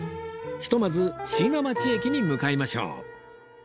ひとまず椎名町駅に向かいましょう